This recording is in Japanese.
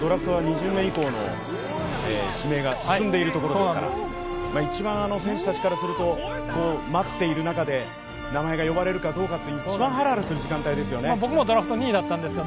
ちょうど今、ドラフトは２巡目以降の指名が進んでいるところですから選手たちからすると、待っている中で名前が呼ばれるかどうか、一番ハラハラする時間ですよね。